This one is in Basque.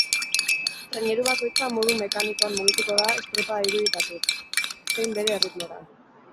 Traineru bakoitza modu mekanikoan mugituko da estropada irudikatuz, zein bere erritmora.